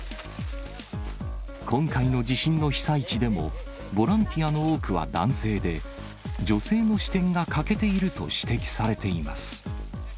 今回の地震の被災地でも、ボランティアの多くは男性で、女性の視点が欠けていると指摘されています。